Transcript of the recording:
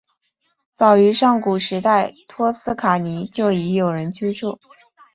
早于上古时代托斯卡尼就已有人居住。